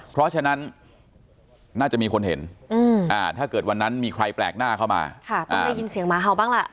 เพราะฉะนั้นน่าจะมีคนเห็นถ้าเกิดวันนั้นมีใครแปลกหน้าเข้ามาต้องได้ยินเสียงหมาเห่าบ้างล่ะ